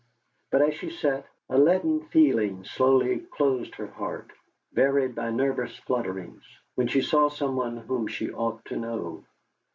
But as she sat a leaden feeling slowly closed her heart, varied by nervous flutterings, when she saw someone whom she ought to know.